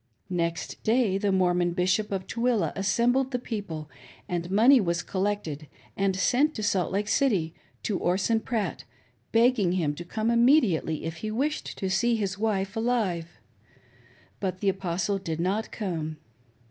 Next day the Mormon Bishop of Tooele assembled the people, and money was collected ' and sent to Salt Lake City, to Orson Pratt, begging him to come immediately, if he wished to see his wife alive. But the Apostle did not come.